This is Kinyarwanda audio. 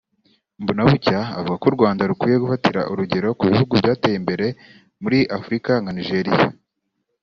Mbonabucya avuga ko u Rwanda rukwiye gufatira urugero ku bihugu byateye imbere muri Afurika nka Nigeria